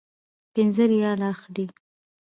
پنځه ریاله اخلي.